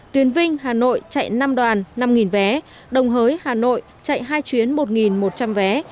tuyến vinh hà nội chạy năm đoàn năm vé đồng hới hà nội chạy hai chuyến một một trăm linh vé